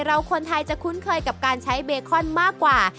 คนไทยจะคุ้นเคยกับการใช้เบคอนมากกว่า